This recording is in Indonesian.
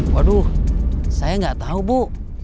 waduh saya gak tau bu